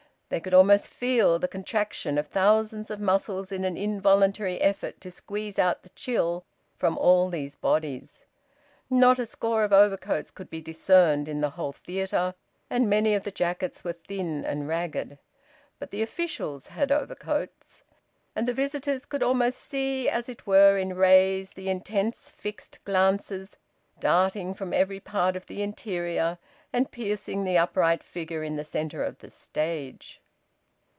They could almost feel the contraction of thousands of muscles in an involuntary effort to squeeze out the chill from all these bodies; not a score of overcoats could be discerned in the whole theatre, and many of the jackets were thin and ragged; but the officials had overcoats. And the visitors could almost see, as it were in rays, the intense fixed glances darting from every part of the interior, and piercing the upright figure in the centre of the stage.